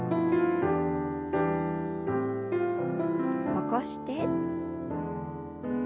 起こして。